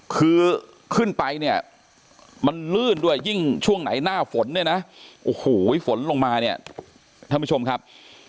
คือขึ้นไปมันลื่นด้วยอีกช่วงไหนหน้าฝนฟนลงมานี่ท่านผู้ชมครับ